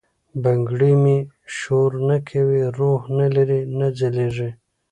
بنګړي مي شورنه کوي، روح نه لری، نه ځلیږي